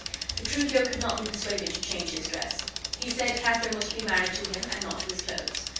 Petruchio could not be persuaded to change his dress. He said Katharine was to be married to him, and not to his clothes.